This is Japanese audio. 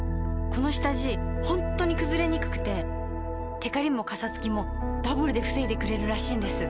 この下地ホントにくずれにくくてテカリもカサつきもダブルで防いでくれるらしいんです。